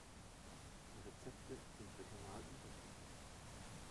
Die Rezepte sind regional unterschiedlich.